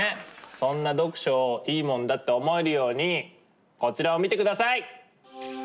そんな読書をいいもんだって思えるようにこちらを見てください！